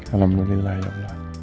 alhamdulillah ya allah